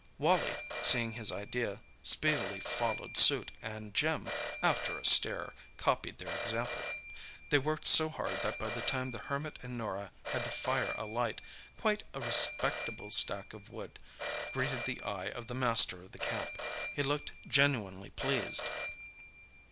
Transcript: Wally, seeing his idea, speedily followed suit, and Jim, after a stare, copied their example. They worked so hard that by the time the Hermit and Norah had the fire alight, quite a respectable stack of wood greeted the eye of the master of the camp. He looked genuinely pleased.